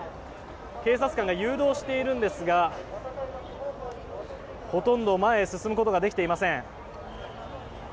警察官が誘導しているんですがほとんど前へ進むことができていません。